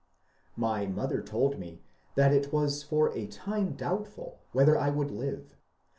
My mother told me that it was for a time doubtful whether I would live.